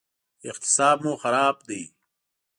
اقتصاد مو خراب دی